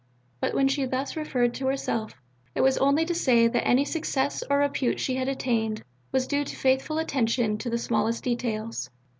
But when she thus referred to herself, it was only to say that any success or repute she had attained was due to faithful attention to the smallest details.